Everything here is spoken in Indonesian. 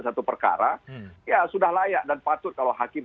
satu perkara ya sudah layak dan patut kalau hakim